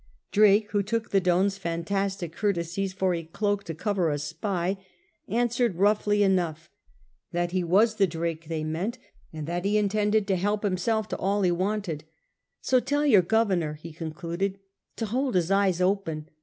Drake, who took the Don's fantastic courtesies for a cloak to cover a spy, answered roughly enough that he 30 SIR FRANCIS DRAKE chap. was the Drake they meant, and that he intended to help himself to all he wanted. " So tell your Governor," he concluded, " to hold his eyes open.